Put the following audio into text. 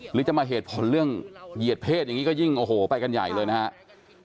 หรือจะมาเหตุผลเรื่องเหยียดเพศอย่างนี้ก็ยิ่งโอ้โหไปกันใหญ่เลยนะครับ